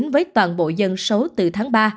với toàn bộ dân số từ tháng ba